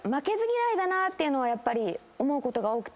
ていうのはやっぱり思うことが多くて。